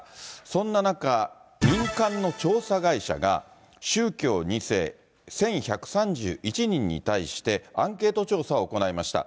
そんな中、民間の調査会社が、宗教２世１１３１人に対して、アンケート調査を行いました。